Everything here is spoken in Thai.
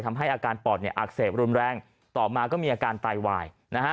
ทำให้อาการปอดอักเสบรุนแรงแล้วก็มีอาการไตวาย